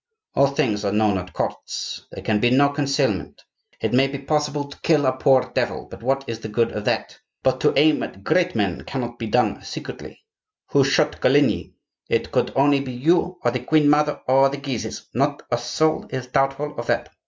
All things are known at courts; there can be no concealment. It may be possible to kill a poor devil—and what is the good of that?—but to aim at great men cannot be done secretly. Who shot Coligny? It could only be you, or the queen mother, or the Guises. Not a soul is doubtful of that.